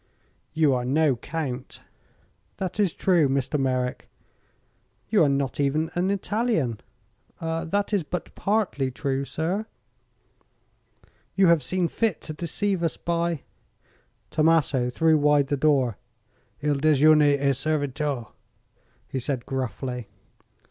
"You are no count." "That is true, Mr. Merrick." "You are not even an Italian." "That is but partly true, sir." "You have seen fit to deceive us by " Tommaso threw wide the door. "Il dejuné é servito," he said gruffly.